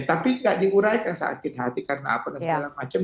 tapi nggak diuraikan sakit hati karena apa dan segala macam